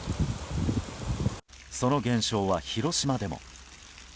その現象は広島でも。